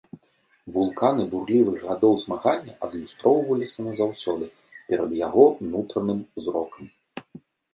Вулканы бурлівых гадоў змагання адлюстроўваліся назаўсёды перад яго нутраным зрокам.